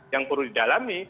yang perlu didalami